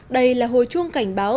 đây là hồi chuông cảnh báo